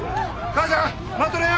母ちゃん待っとれよ！